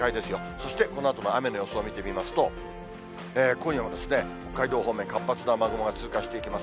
そして、このあとの雨の予想を見てみますと、今夜も北海道方面、活発な雨雲が通過していきます。